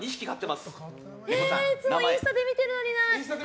いつもインスタで見てるのにな。